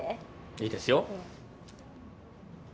いいですよ。